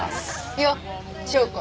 よっ翔子